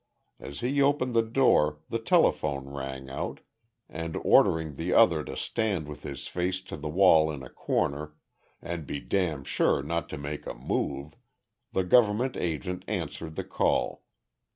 As he opened the door the telephone rang out, and, ordering the other to stand with his face to the wall in a corner "and be damn sure not to make a move" the government agent answered the call.